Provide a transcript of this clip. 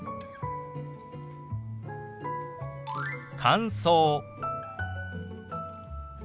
「乾燥」。